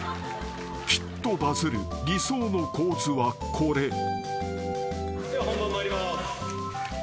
［きっとバズる理想の構図はこれ］